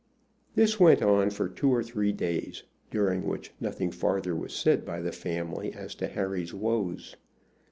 This went on for two or three days, during which nothing farther was said by the family as to Harry's woes.